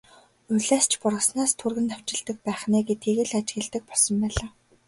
Улиас ч бургаснаас түргэн навчилдаг байх нь ээ гэдгийг л ажигладаг болсон байлаа.